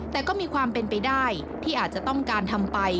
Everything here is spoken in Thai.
แต่ก็มีความเป็นไปได้ที่อาจจะต้องการทำไป